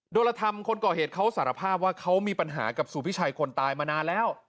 ละธรรมคนก่อเหตุเขาสารภาพว่าเขามีปัญหากับสุพิชัยคนตายมานานแล้ว